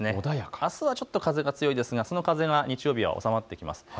あすはちょっと風が強いですが日曜日は風が収まってきます。